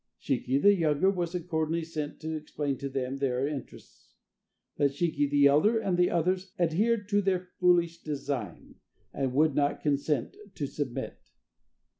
Shiki the younger was accordingly sent to explain to them their interests. But Shiki the elder and the others adhered to their foolish design, and would not consent to submit.